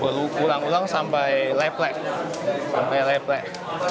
berulang ulang sampai leplek